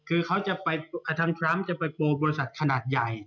คือเขาจะไปทางทรัมป์จะไปโปรบริษัทขนาดใหญ่